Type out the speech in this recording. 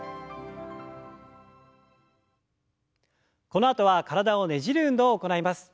このあとは体をねじる運動を行います。